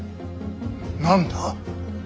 何だ。